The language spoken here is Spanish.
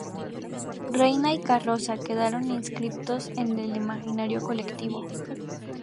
Reina y Carroza quedaron inscriptos en el imaginario colectivo.